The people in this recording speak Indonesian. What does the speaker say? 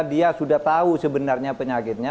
dia sudah tahu sebenarnya penyakitnya